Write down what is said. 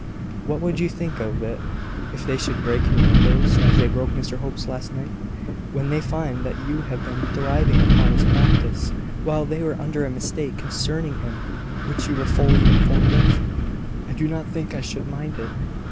What would you think of it, if they should break your windows, as they broke Mr Hope's last night, when they find that you have been thriving upon his practice, while they were under a mistake concerning him which you were fully informed of?" "I do not think I should mind it.